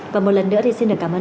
và một lần nữa thì xin được cảm ơn